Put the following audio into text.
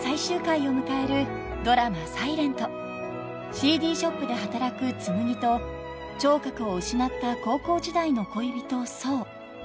［ＣＤショップで働く紬と聴覚を失った高校時代の恋人想］